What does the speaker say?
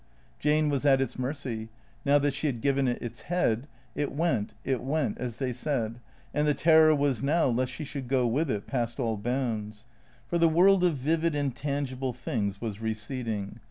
Jane was at its mercy; now that she had given it its head. It went, it went, as they said; and the terror was now lest she should go with it, past all bounds. Eor the world of vivid and tangible things was receding.